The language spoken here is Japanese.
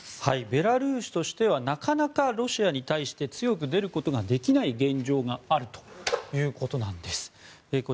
ベラルーシとしてはなかなかロシアに対して強く出ることができない現状があるということなんです。